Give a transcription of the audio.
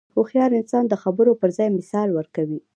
هوښیار انسان د خبرو پر ځای مثال ورکوي.